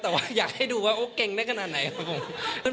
แต่ว่าอยากให้ดูว่าเก่งได้ขนาดไหนครับผม